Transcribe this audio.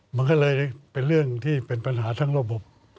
มันก็เลยเป็นเรื่องที่เป็นปัญหาทั้งระบบ